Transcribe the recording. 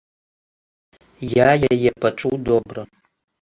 Я яе пачуў добра!